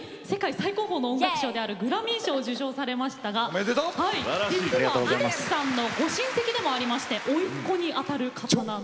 最高峰の音楽賞であるグラミー賞を受賞されましたが実は秀樹さんのご親戚でもありましておいっ子にあたる方なんです。